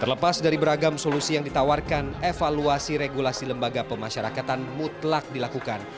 terlepas dari beragam solusi yang ditawarkan evaluasi regulasi lembaga pemasyarakatan mutlak dilakukan